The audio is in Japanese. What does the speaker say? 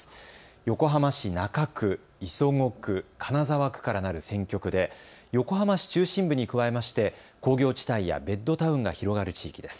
横浜市中区、磯子区、金沢区からなる選挙区で横浜市中心部に加えまして工業地帯やベッドタウンが広がる地域です。